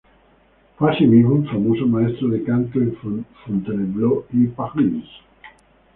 Fue asimismo un famoso maestro de canto en Fontainebleau y París.